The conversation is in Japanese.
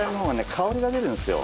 香りが出るんですよ。